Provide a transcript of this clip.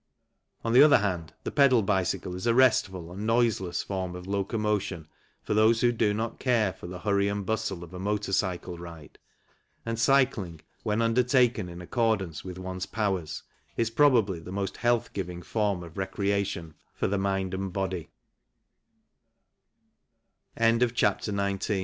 On the other hand, the pedal bicycle is a restful and noiseless form of locomotion for those who do not care for the hurry and bustle of a motor cycle ride, and cycling, when undertaken in accordance with ones powers, is probably the most health giving form of recreation for t